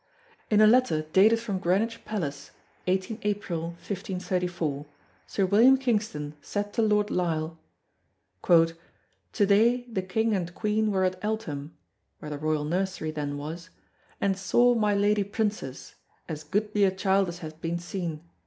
In a letter dated from Greenwich Palace, 18 April, 1534, Sir William Kingston said to Lord Lisle: "To day, the King and Queen were at Eltham" (where the royal nursery then was) "and saw my Lady Princess as goodly a child as hath been seen.